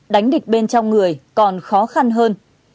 đánh địch bên trong người còn khó khăn hơn